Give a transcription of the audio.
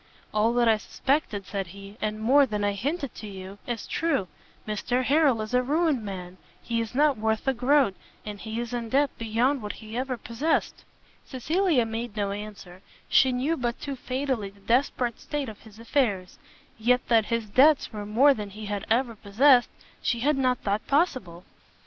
"All that I suspected," said he, "and more than I hinted to you, is true; Mr Harrel is a ruined man! he is not worth a groat, and he is in debt beyond what he ever possessed." Cecilia made no answer: she knew but too fatally the desperate state of his affairs, yet that his debts were more than he had ever possessed, she had not thought possible.